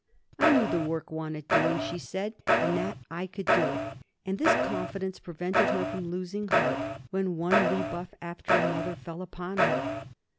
"I knew the work wanted doing," she said, "and that I could do it"; and this confidence prevented her from losing heart when one rebuff after another fell upon her.